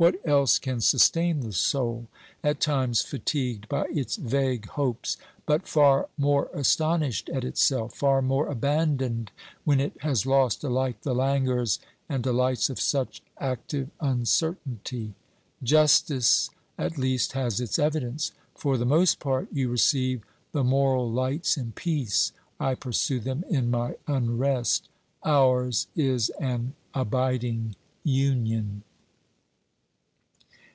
What else can sustain the soul, at times fatigued by its vague hopes, but far more astonished at itself, far more abandoned when it has lost alike the languors and delights of such active uncertainty? Justice at least has its evidence. For the most part you receive the moral lights in peace, I pursue them in my unrest ; ours is an abiding union.